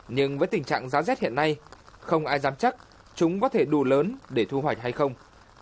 nhưng với tình trạng giá rét hiện nay không ai dám chắc chúng có thể đủ lớn để thu hoạch hay không